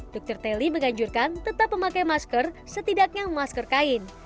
dokter teli menganjurkan tetap memakai masker setidaknya masker kain